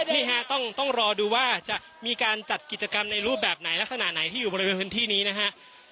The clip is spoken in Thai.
นี่ฮะต้องรอดูว่าจะมีการจัดกิจกรรมในรูปแบบไหนลักษณะไหนที่อยู่บริเวณพื้นที่นี้นะฮะ